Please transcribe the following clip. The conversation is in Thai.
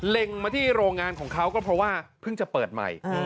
เล็งมาที่โรงงานของเขาก็เพราะว่าเพิ่งจะเปิดใหม่